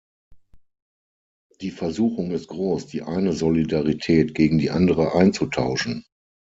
Die Versuchung ist groß, die eine Solidarität gegen die andere einzutauschen.